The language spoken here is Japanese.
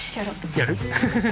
やる？